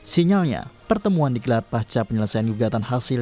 sinyalnya pertemuan dikelahar pacar penyelesaian gugatan hasil